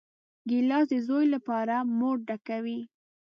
ګیلاس د زوی لپاره مور ډکوي.